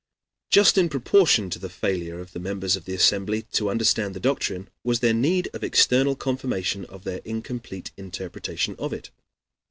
Just in proportion to the failure of the members of the assembly to understand the doctrine was their need of external confirmation of their incomplete interpretation of it.